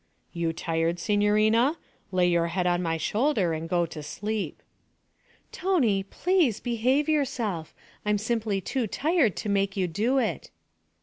'You tired, signorina? Lay your head on my shoulder and go to sleep.' 'Tony, please behave yourself. I'm simply too tired to make you do it.'